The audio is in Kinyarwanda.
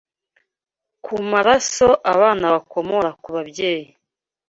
ku maraso abana bakomora ku babyeyi